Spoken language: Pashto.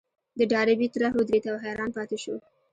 د ډاربي تره ودرېد او حيران پاتې شو.